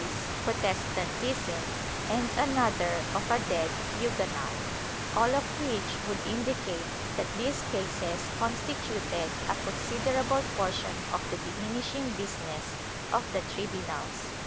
VIII] BURNING OF EFFIGIES 91 Protestantism, and another of a dead Huguenot — all of which would indicate that these cases constituted a considerable portion of the diminishing business of the tribunals.